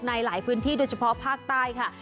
ในหลายพื้นที่โดยเฉพาะภาคใต้ค่ะ